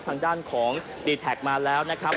ทางด้านของดีแท็กมาแล้วนะครับ